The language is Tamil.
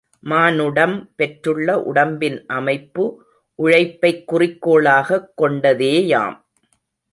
மானுடம் பெற்றுள்ள உடம்பின் அமைப்பு உழைப்பைக் குறிக்கோளாகக் கொண்டதேயாம்.